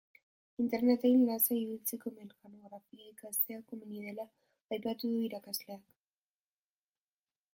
Interneten lasai ibiltzeko mekanografia ikastea komeni dela aipatu du irakasleak.